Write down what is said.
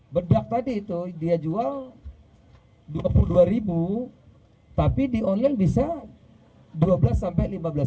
bedak tadi itu dia jual rp dua puluh dua tapi di online bisa dua belas sampai lima belas